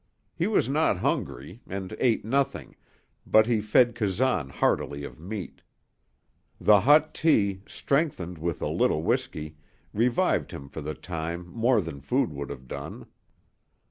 He was not hungry, and ate nothing, but he fed Kazan heartily of meat. The hot tea, strengthened with a little whisky, revived him for the time more than food would have done.